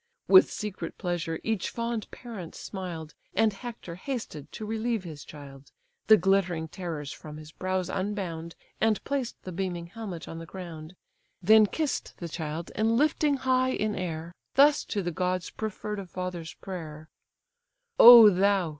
With secret pleasure each fond parent smiled, And Hector hasted to relieve his child, The glittering terrors from his brows unbound, And placed the beaming helmet on the ground; Then kiss'd the child, and, lifting high in air, Thus to the gods preferr'd a father's prayer: "O thou!